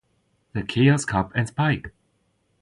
The Chaos Cup and Spike!